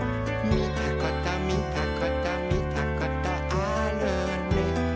「みたことみたことみたことあるね」